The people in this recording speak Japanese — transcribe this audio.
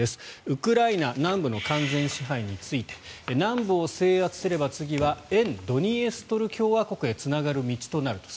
ウクライナ南部の完全支配について南部を制圧すれば次は沿ドニエストル共和国へつながる道となると。